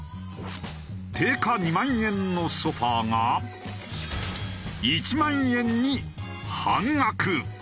定価２万円のソファが１万円に半額。